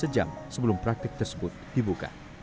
pertama pasien yang berobat tersebut dibuka